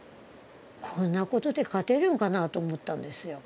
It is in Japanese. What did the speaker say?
こんなことで勝てるんかなと思ったんですよ。